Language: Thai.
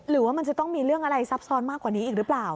หรือว่ามันจะต้องมีเรื่องอะไรซับซ้อนมากกว่านี้อีกหรือเปล่า